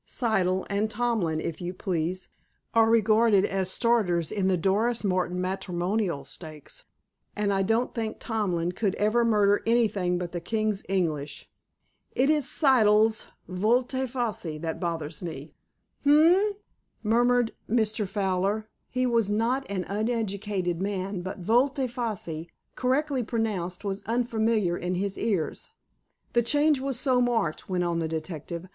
Siddle, and Tomlin, if you please, are regarded as starters in the Doris Martin Matrimonial Stakes, and I don't think Tomlin could ever murder anything but the King's English. It is Siddle's volte face that bothers me." "Um!" murmured Mr. Fowler. He was not an uneducated man, but volte face, correctly pronounced, was unfamiliar in his ears. "The change was so marked," went on the detective.